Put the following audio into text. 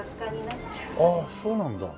ああそうなんだ。